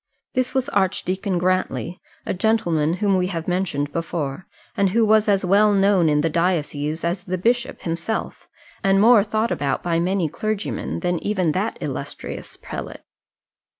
This was Archdeacon Grantly, a gentleman whom we have mentioned before, and who was as well known in the diocese as the bishop himself, and more thought about by many clergymen than even that illustrious prelate.